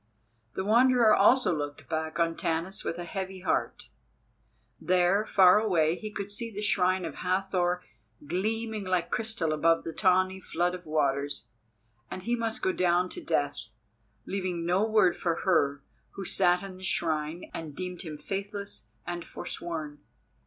The Wanderer also looked back on Tanis with a heavy heart. There, far away, he could see the shrine of Hathor gleaming like crystal above the tawny flood of waters. And he must go down to death, leaving no word for Her who sat in the shrine and deemed him faithless and forsworn.